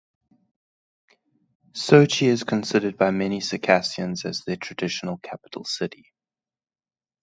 Sochi is considered by many Circassians as their traditional capital city.